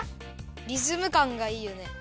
リズムかんがいいよね。